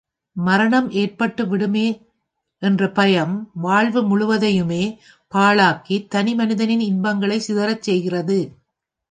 மரணம் ஏற்படுமே என்ற பயம் வாழ்வு முழுவதையுமே பாழாக்கித் தனி மனிதனின் இன்பங்களைச் சிதறச் செய்கிறது.